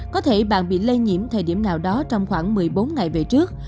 có thể bạn bị lây nhiễm thời điểm nào đó trong khoảng một mươi bốn ngày về trước